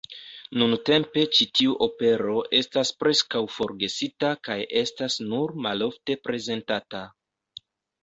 Nuntempe ĉi tiu opero estas preskaŭ forgesita kaj estas nur malofte prezentata.